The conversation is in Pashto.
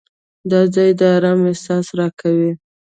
دا ځای د آرام احساس راکوي.